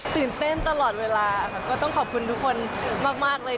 ตื่นเต้นตลอดเวลาค่ะก็ต้องขอบคุณทุกคนมากเลย